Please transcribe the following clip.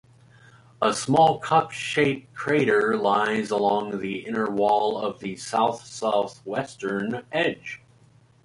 A small, cup-shaped crater lies along the inner wall of the south-southwestern edge.